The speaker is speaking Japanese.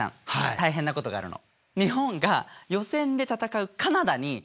大変なことがあるの。